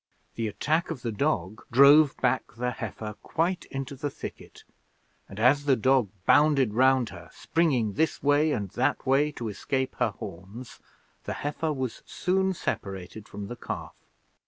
The attack of the dog drove back the heifer quite into the thicket, and as the dog bounded round her, springing this way and that way to escape her horns, the heifer was soon separated from the calf.